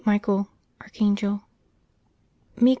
MICHAEL, Archangel. y?